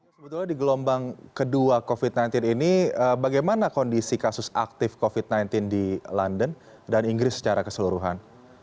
sebetulnya di gelombang kedua covid sembilan belas ini bagaimana kondisi kasus aktif covid sembilan belas di london dan inggris secara keseluruhan